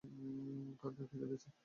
কার কার খিদে পেয়েছে?